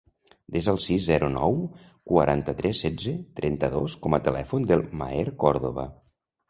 Desa el sis, zero, nou, quaranta-tres, setze, trenta-dos com a telèfon del Maher Cordoba.